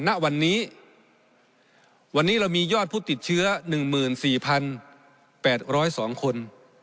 ณวันนี้วันนี้เรามียอดผู้ติดเชื้อ๑๔๘๐๒คน